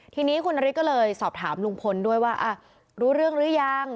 ทีนี้คุณนฤทธิก็เลยสอบถามลุงพลด้วยว่ารู้เรื่องหรือยัง